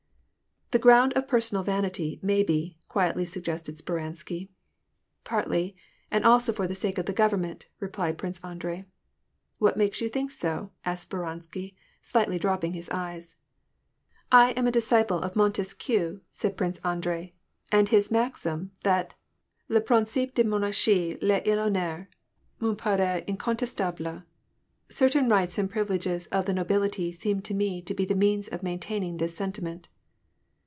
" The ground of personal vanity, maybe," quietly suggested Speransky. " Partly, and also for the sake of the government," replied Prince Andrei. " What makes you think so ?" asked Speransky, slightly dropping his eyes. "I am a disciple of Montesquieu," said Prince Andrei. " And his maxim, that * Le prinelpe des monarchies est Vhoi^ neur,^ me parait incontestaMe. Certain rights and privileges 'of the nobility seem to me to be the means of maintaining this sentiment."